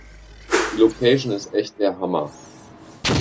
Die Location ist echt der Hammer.